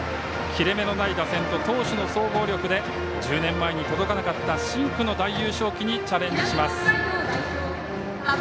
切れ目のない打線と投手の総合力で１０年前に届かなかった深紅の大優勝旗にチャレンジします。